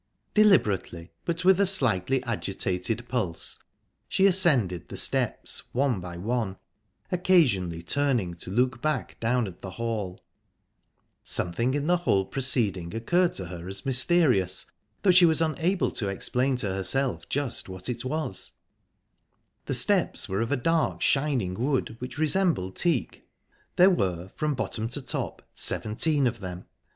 Deliberately, but with a slightly agitated pulse, she ascended the steps one by one, occasionally turning to look back down at the hall. Something in the whole proceeding occurred to her as mysterious, though she was unable to explain to herself just what it was. The steps were of a dark, shining wood, which resembled teak; there were, from bottom to top, seventeen of them.